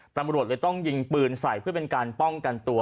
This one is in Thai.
ตำรวจเลยต้องยิงปืนใส่เพื่อเป็นการป้องกันตัว